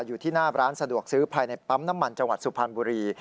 อยู่ที่หน้าร้านสะดวกซื้อภายในปั๊มน้ำมันจังหวัดสุพรรณบุรี